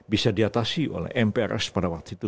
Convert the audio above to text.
bisa diatasi oleh mprs pada waktu itu